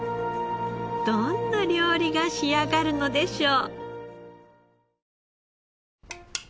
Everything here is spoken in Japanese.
どんな料理が仕上がるのでしょう？